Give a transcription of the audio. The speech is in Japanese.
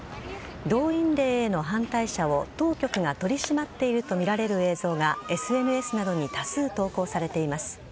動員令の反対者を当局が取り締まっているとみられる映像がＳＮＳなどに多数投稿されています。